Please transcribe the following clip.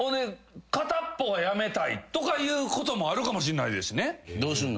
片っ方が辞めたいとかいうこともあるかもしんないですしね。